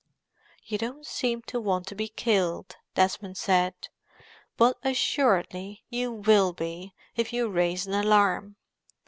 "You don't seem to want to be killed," Desmond said. "But assuredly you will be, if you raise an alarm."